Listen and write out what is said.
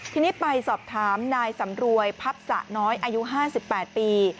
ทีนี้ไปสอบถามนายสำรวยพับสะน้อยอายุ๕๘ปี